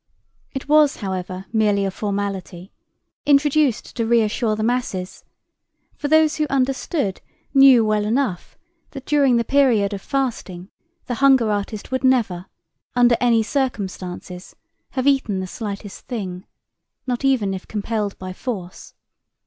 It was, however, merely a formality, introduced to reassure the masses, for those who understood knew well enough that during the period of fasting the hunger artist would never, under any circumstances, have eaten the slightest thing, not even if compelled by force.